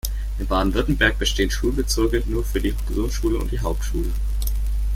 In Baden-Württemberg bestehen Schulbezirke nur für die Grundschule und die Hauptschule.